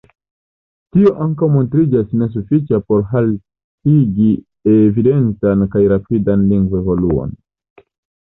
Tio ankaŭ montriĝas nesufiĉa por haltigi evidentan kaj rapidan lingvoevoluon.